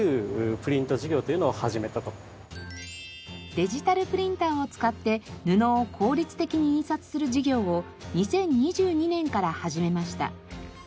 デジタルプリンターを使って布を効率的に印刷する事業を２０２２年から始めました。